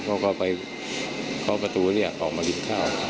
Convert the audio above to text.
เขาก็ไปเคาะประตูเรียกออกมากินข้าว